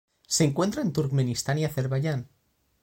Se encuentra en Turkmenistán y Azerbayán.